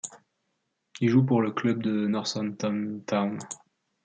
Il joue pour le club de Northampton Town.